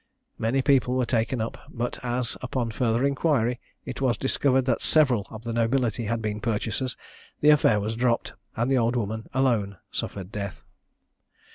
Many people were taken up; but as, upon further inquiry, it was discovered that several of the nobility had been purchasers, the affair was dropped, and the old woman alone suffered death."